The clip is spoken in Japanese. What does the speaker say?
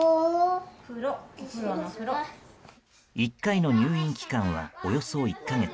１回の入院期間はおよそ１か月。